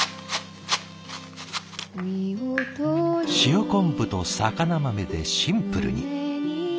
塩昆布と肴豆でシンプルに。